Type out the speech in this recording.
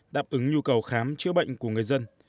đáp ứng nhu cầu khám chữa bệnh của người dân